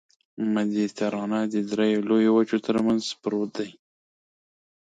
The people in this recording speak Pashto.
مدیترانه د دریو لویو وچو ترمنځ پروت دی.